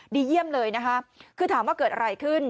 เยี่ยมเลยนะคะคือถามว่าเกิดอะไรขึ้น